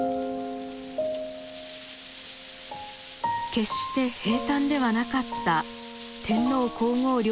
決して平たんではなかった天皇皇后両陛下の道のり。